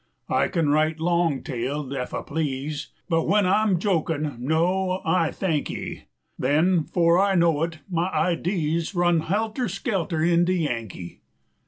I ken write long tailed, ef I please, But when I'm jokin', no, I thankee; Then, 'fore I know it, my idees 15 Run helter skelter into Yankee.